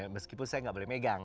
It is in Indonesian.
meskipun saya nggak boleh megang